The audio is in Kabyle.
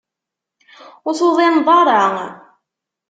Ur tuḍineḍ ara.